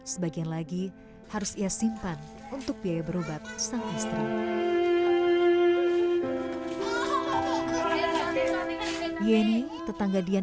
sebagian lagi harus ia simpan untuk biaya berobat sang istri